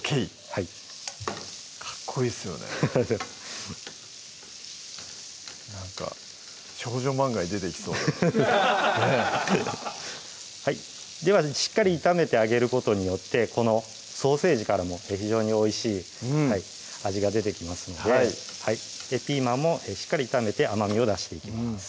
はいかっこいいっすよねなんか少女漫画に出てきそうなではしっかり炒めてあげることによってこのソーセージからも非常においしい味が出てきますのでピーマンもしっかり炒めて甘みを出していきます